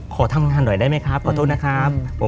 ขอทำงานหน่อยได้ไหมครับขอโทษนะครับ